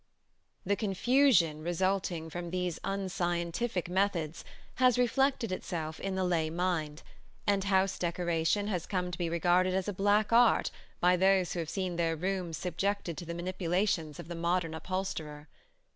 The confusion resulting from these unscientific methods has reflected itself in the lay mind, and house decoration has come to be regarded as a black art by those who have seen their rooms subjected to the manipulations of the modern upholsterer.